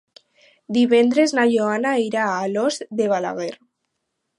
Divendres na Joana irà a Alòs de Balaguer.